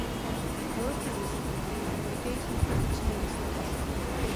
Po roce zjistíme, jaké jsou skutečné výsledky.